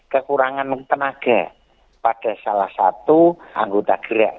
kekurangan tenaga pada salah satu anggota gerak